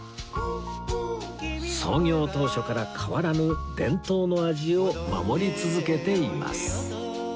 創業当初から変わらぬ伝統の味を守り続けています